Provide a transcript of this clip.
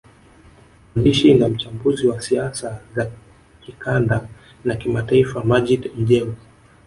Mwandishi na mchambuzi wa siasa za kikanda na kimataifa Maggid Mjengwa